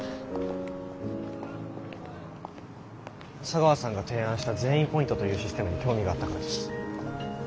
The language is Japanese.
茶川さんが提案した「善意ポイント」というシステムに興味があったからです。